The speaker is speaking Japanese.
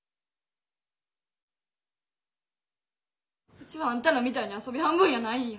ウチはあんたらみたいに遊び半分やないんや！